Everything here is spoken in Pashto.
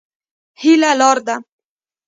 هيله لار ده.